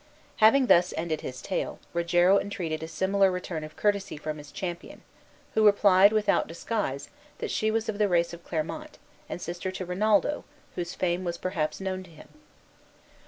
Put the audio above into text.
Having thus ended his tale, Rogero entreated a similar return of courtesy from his companion, who replied, without disguise, that she was of the race of Clermont, and sister to Rinaldo, whose fame was perhaps known to him.